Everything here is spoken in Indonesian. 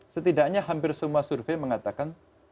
setidaknya hampir semua survei mengatakan